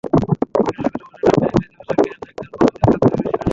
বিশেষজ্ঞদের মতে, ট্রাম্পের ইংরেজি ভাষাজ্ঞান একজন পঞ্চম শ্রেণির ছাত্রের বেশি নয়।